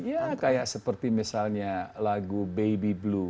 ya kayak seperti misalnya lagu baby blue